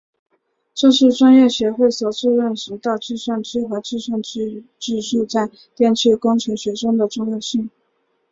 这是专业协会首次认识到计算机和计算机技术在电气工程学中的重要性。